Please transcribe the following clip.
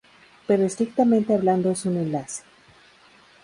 Pero estrictamente hablando es un enlace.